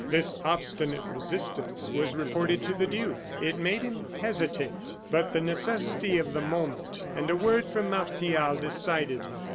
This obstinate resistance was reported to the duke. It made him hesitate; but the necessity of the moment, and a word from Martial, decided him.